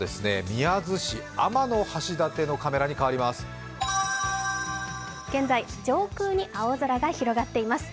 宮津市、天橋立のカメラに変わります。